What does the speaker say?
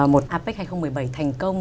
một apec hai nghìn một mươi bảy thành công